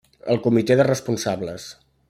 El comité de responsables.